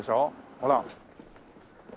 ほら。